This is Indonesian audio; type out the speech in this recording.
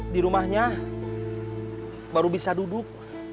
di rumahnya baru bisa duduk